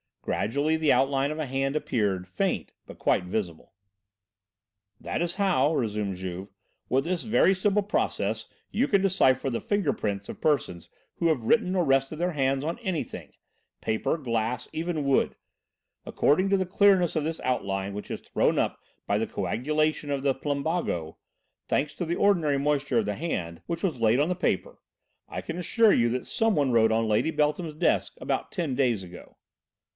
Gradually the outline of a hand appeared, faint, but quite visible. "That is how," resumed Juve, "with this very simple process, you can decipher the finger prints of persons who have written or rested their hands on anything paper, glass, even wood. According to the clearness of this outline which is thrown up by the coagulation of the plumbago thanks to the ordinary moisture of the hand which was laid on the paper, I can assure you that some one wrote on Lady Beltham's desk about ten days ago."